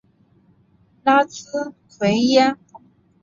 拉兹奎耶。